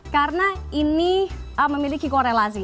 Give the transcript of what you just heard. karena ini memiliki korelasi